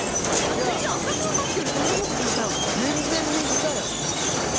全然私のさっきより全然もっと冷たいわ。